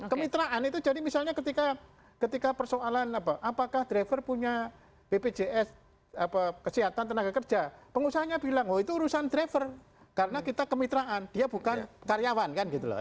kemitraan itu jadi misalnya ketika persoalan apakah driver punya bpjs kesehatan tenaga kerja pengusahanya bilang oh itu urusan driver karena kita kemitraan dia bukan karyawan kan gitu loh